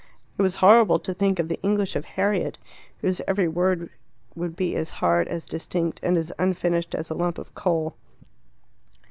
It was horrible to think of the English of Harriet, whose every word would be as hard, as distinct, and as unfinished as a lump of coal.